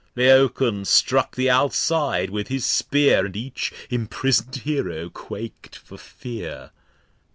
Laoco'n struck the Outside with his Spear, And each imprison'd Hero quak'd for Fear.